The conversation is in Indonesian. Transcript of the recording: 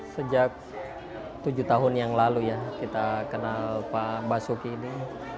sejak tujuh tahun yang lalu ya kita kenal pak basuki ini